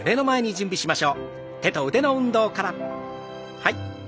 はい。